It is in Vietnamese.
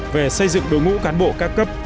về xây dựng đối ngũ cán bộ ca cấp